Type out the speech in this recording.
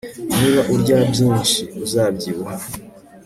niba urya byinshi, uzabyibuha